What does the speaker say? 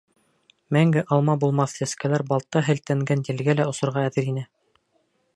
Мәңге алма булмаҫ сәскәләр балта һелтәнгән елгә лә осорға әҙер ине.